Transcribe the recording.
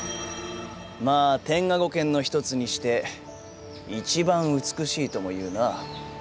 まあ天下五剣の一つにして一番美しいとも言うな。